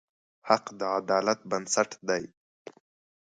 حق د عدالت بنسټ دی.